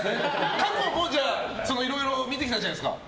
過去もいろいろ見てきたじゃないですか。